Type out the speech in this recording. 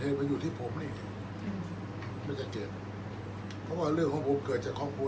อันไหนที่มันไม่จริงแล้วอาจารย์อยากพูด